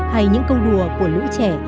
hay những câu đùa của lũ trẻ